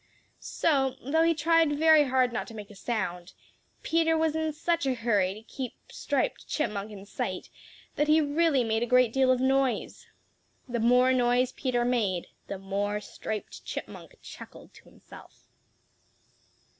So, though he tried very hard not to make a sound, Peter was in such a hurry to keep Striped Chipmunk in sight that he really made a great deal of noise. The more noise Peter made, the more Striped Chipmunk chuckled to himself.